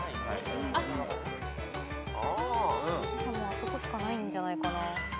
たぶんあそこしかないんじゃないかな。